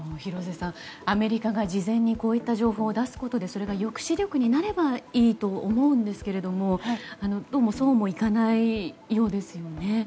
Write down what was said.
アメリカが事前にこういった情報を出すことでそれが抑止力になればいいと思うんですがどうもそうもいかないようですよね。